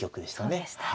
そうでしたね。